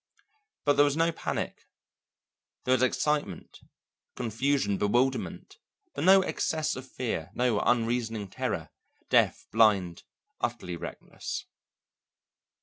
But there was no panic; there was excitement, confusion, bewilderment, but no excess of fear, no unreasoning terror, deaf, blind, utterly reckless.